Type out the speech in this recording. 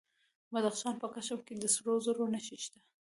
د بدخشان په کشم کې د سرو زرو نښې شته.